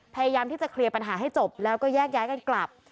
พยายามที่จะเคลียร์ปัญหาให้จบแล้วก็แยกย้ายกันกลับ